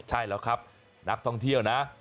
ใช่แล้วครับนักท่องเที่ยวนะ